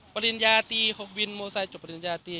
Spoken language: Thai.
ปริญญาตีวินมอไซค์จบปริญญาตี